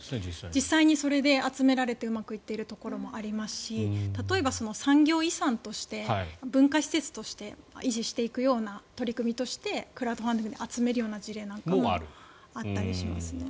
実際にそれで集められてうまくいっているところもありますし例えば産業遺産として文化施設として維持していくような取り組みとしてクラウドファンディングで集めるような事例なんかもあったりしますね。